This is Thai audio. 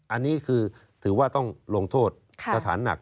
อันนี้คือถือว่าต้องลงโทษสถานหนัก